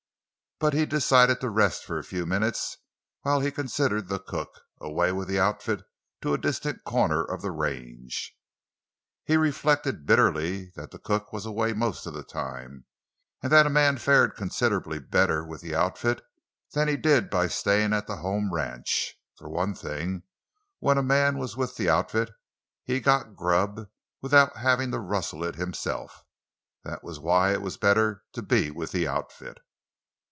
But he decided to rest for a few minutes while he considered the cook—away with the outfit to a distant corner of the range. He reflected bitterly that the cook was away most of the time, and that a man fared considerably better with the outfit than he did by staying at the home ranch. For one thing, when a man was with the outfit he got "grub," without having to rustle it himself—that was why it was better to be with the outfit.